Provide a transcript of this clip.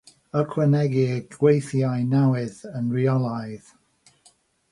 Ychwanegir gweithiau newydd yn rheolaidd.